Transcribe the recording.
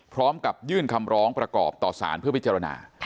พร้อมกับยื่นคำร้องประกอบต่อสารเพื่อพิจารณา